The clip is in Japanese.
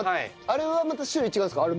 あれはまた種類違うんですか？